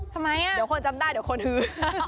ทำไมเดี๋ยวคนจำได้เดี๋ยวคนฮือ